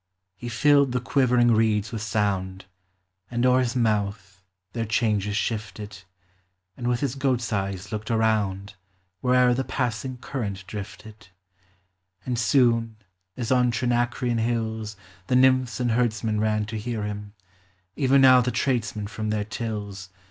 THE ARTS. 381 He filled the quivering reeds with sound, And o'er his month their changes shifted, And with his goat's eyes looked around Where'er the passing current drifted ; And soon, as on Trinacrian hills The nymphs and herdsmen ran to hear him, Even now the tradesmen from their tills.